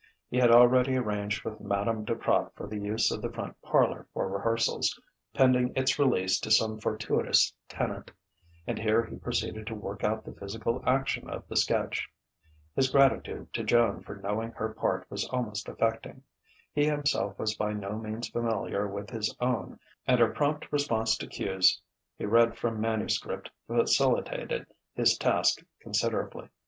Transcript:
He had already arranged with Madame Duprat for the use of the front parlour for rehearsals, pending its lease to some fortuitous tenant; and here he proceeded to work out the physical action of the sketch. His gratitude to Joan for knowing her part was almost affecting; he himself was by no means familiar with his own and her prompt response to cues he read from manuscript facilitated his task considerably.